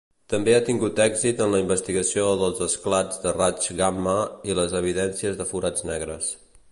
També ha tingut èxit en la investigació dels esclats de raigs gamma i les evidències de forats negres.